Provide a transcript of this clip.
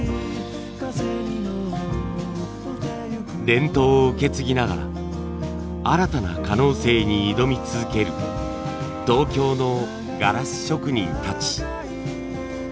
伝統を受け継ぎながら新たな可能性に挑み続ける東京のガラス職人たち。